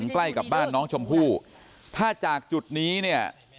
ใกล้กับบ้านน้องชมพู่ถ้าจากจุดนี้เนี่ย